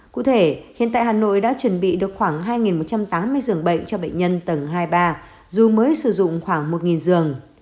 cụ thể hiện tại hà nội đã chuẩn bị được khoảng hai một trăm tám mươi giường bệnh cho bệnh nhân tầng hai ba dù mới sử dụng khoảng một giường